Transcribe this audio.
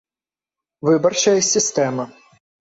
ВЫБАРЧАЯ СІСТЭМА